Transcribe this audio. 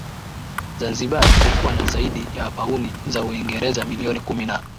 Zanzibar ilikuwa na zaidi ya pauni za Uingereza milioni kumi na nne